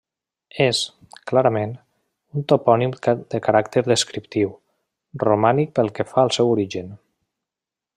És, clarament, un topònim de caràcter descriptiu, romànic pel que fa al seu origen.